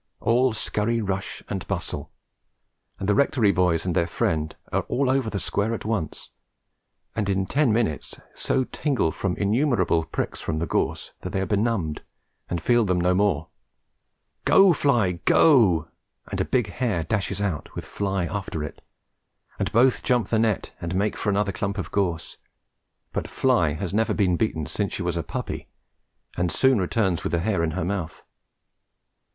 all scurry, rush and bustle; and the Rectory boys and their friend are all over the square at once, and in ten minutes so tingle from innumerable pricks from the gorse that they are benumbed and feel them no more. "Go, Fly, go!" and a big hare dashes out, with Fly after it, and both jump the net and make for another clump of gorse; but Fly has never been beaten since she was a puppy, and soon returns with the hare in her mouth.